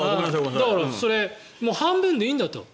それ、半分でいいんだと。